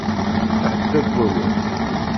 Aḥeddad n wawal.